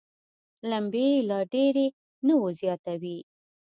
لمبې یې لا ډېرې نه وزياتوي.